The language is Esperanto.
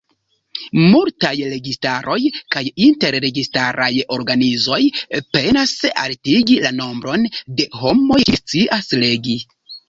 Multaj registaroj kaj inter-registaraj organizoj penas altigi la nombron de homoj kiuj scias legi.